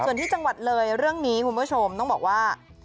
ส่วนที่จังหวัดเลยเรื่องนี้คุณผู้ชมต้องบอกว่า